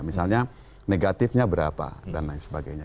misalnya negatifnya berapa dan lain sebagainya